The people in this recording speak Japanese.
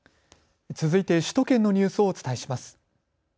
続いて首都圏のニュースをお伝えします。